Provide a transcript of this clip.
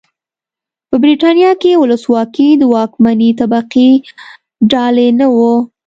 په برېټانیا کې ولسواکي د واکمنې طبقې ډالۍ نه وه.